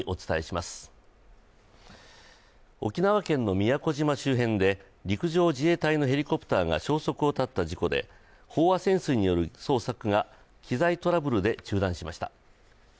沖縄県の宮古島周辺で陸上自衛隊のヘリコプターが消息を絶った事故で飽和潜水による捜索が機材トラブルで中断しました。